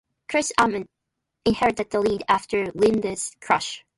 Chris Amon inherited the lead after Rindt's crash.